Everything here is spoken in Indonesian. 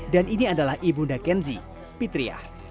dan ini adalah ibunda kenzi pitriah